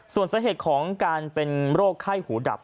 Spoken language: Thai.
ส่วนสาเหตุของการเป็นโรคไข้หูดับ